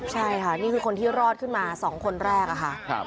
ใช่ค่ะนี่คือคนที่รอดขึ้นมา๒คนแรกค่ะ